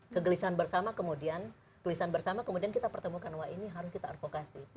kegelisahan bersama kemudian kita pertemukan wah ini harus kita advokasi